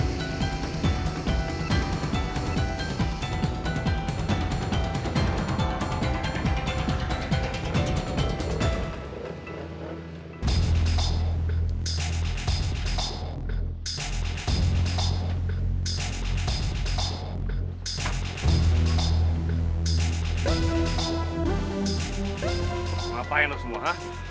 ngapain lo semua hah